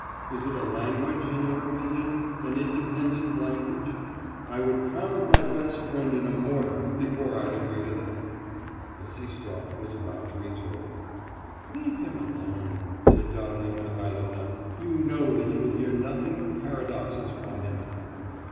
Is it a language, in your opinion? an independent language? I would pound my best friend in a mortar before I'd agree to that.' Bassistoff was about to retort. 'Leave him alone!' said Darya Mihailovna, 'you know that you will hear nothing but paradoxes from him.